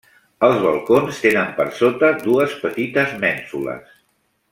Els balcons tenen per sota dues petites mènsules.